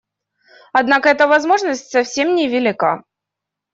Однако эта возможность совсем невелика.